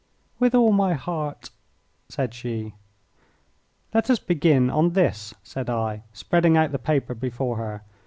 "With all my heart," said she. "Let us begin on this," said I, spreading out the paper before her.